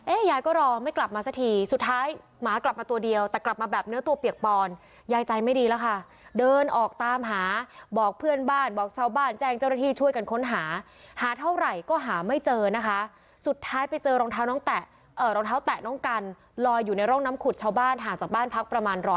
ยายก็รอไม่กลับมาสักทีสุดท้ายหมากลับมาตัวเดียวแต่กลับมาแบบเนื้อตัวเปียกปอนยายใจไม่ดีแล้วค่ะเดินออกตามหาบอกเพื่อนบ้านบอกชาวบ้านแจ้งเจ้าหน้าที่ช่วยกันค้นหาหาเท่าไหร่ก็หาไม่เจอนะคะสุดท้ายไปเจอรองเท้าน้องแตะรองเท้าแตะน้องกันลอยอยู่ในร่องน้ำขุดชาวบ้านห่างจากบ้านพักประมาณ๑๐๐